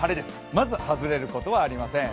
まず外れることはありません。